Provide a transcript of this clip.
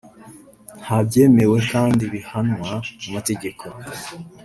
ntibyemewe kandi bihanwa n’amategeko